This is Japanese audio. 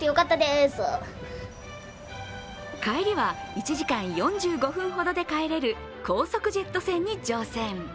帰りは１時間４５分ほどで帰れる高速ジェット船に乗船。